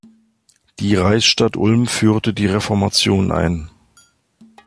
Die Reichsstadt Ulm führte die Reformation ein.